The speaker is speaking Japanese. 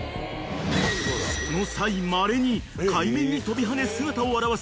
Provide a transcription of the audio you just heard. ［その際まれに海面に跳びはね姿を現す